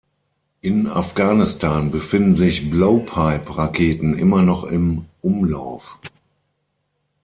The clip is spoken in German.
In Afghanistan befinden sich Blowpipe-Raketen immer noch im Umlauf.